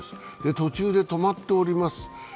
途中で止まっております。